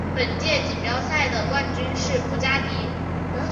本届锦标赛的冠军是布加迪。